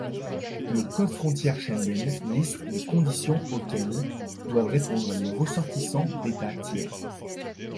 Le Code frontières Schengen liste les conditions auxquelles doivent répondre les ressortissants d’États tiers.